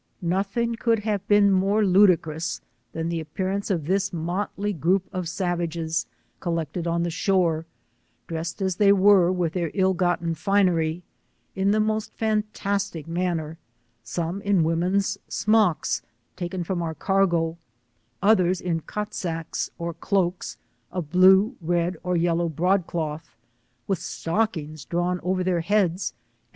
Nothing could be more ludicrous than the ap pearance of this motly groupe of savages collected 43 on the shore,, dressed as they were, with their ilU gotten finery, in the most fantastic noanner, some in women's smocks, taken from our cargo, others in Kotsacks^ (or cloaks) of blue, red or yellow broad cloth, with stockings drawn over their heads, ani!